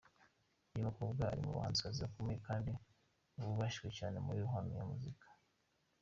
Uyu mukobwa ari mu bahanzikazi bakomeye kandi bubashywe cyane mu ruhando rwa muzika.